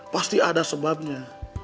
pasti ada sebabnya